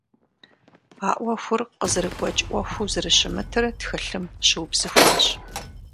А Ӏуэхур къызэрыгуэкӀ Ӏуэхуу зэрыщымытыр тхылъым щыубзыхуащ.